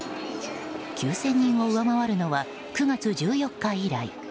９０００人を上回るのは９月１４日以来。